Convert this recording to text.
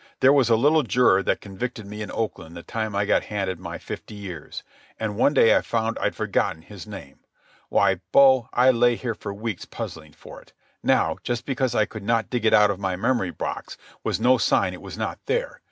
There was a little juror that convicted me in Oakland the time I got handed my fifty years. And one day I found I'd forgotten his name. Why, bo, I lay here for weeks puzzling for it. Now, just because I could not dig it out of my memory box was no sign it was not there.